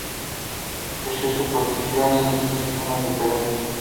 Ejerció su profesión en distintas zonas del Perú.